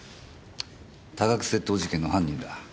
多額窃盗事件の犯人だ。